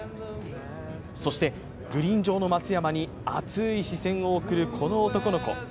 そして、グリーン上の松山に熱い視線を送る、この男の子。